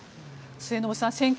末延さん